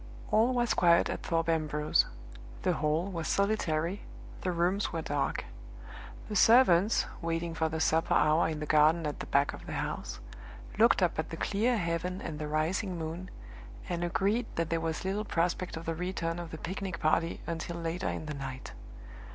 All was quiet at Thorpe Ambrose. The hall was solitary, the rooms were dark. The servants, waiting for the supper hour in the garden at the back of the house, looked up at the clear heaven and the rising moon, and agreed that there was little prospect of the return of the picnic party until later in the night.